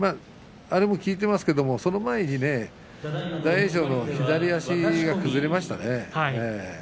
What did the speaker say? あれも効いていますけれど、その前に大栄翔の左足が崩れましたね。